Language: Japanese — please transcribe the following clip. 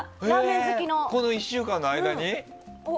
この１週間の間に？